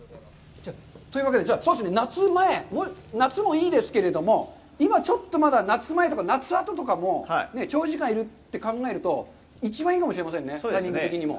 というわけで、夏前、夏もいいですけれども、今、ちょっとまだ夏前とか夏後とかも、長時間いるって考えると、一番いいのかもしれませんね、タイミング的にも。